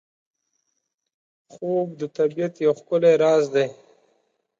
خوب د طبیعت یو ښکلی راز دی